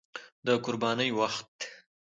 د قربانۍ وخت